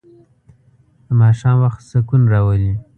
د ماښام وخت سکون راولي.